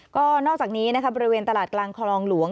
ก็นอกจากนี้นะครับบริเวณตลาดกลางคลองหลวง